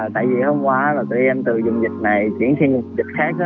tại vì hôm qua là tụi em từ dùng dịch này chuyển sang dịch khác